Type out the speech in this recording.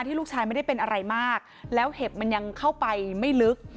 ลูกชายไม่ได้เป็นอะไรมากแล้วเห็บมันยังเข้าไปไม่ลึก